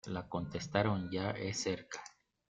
La contestaron; ya es cerca.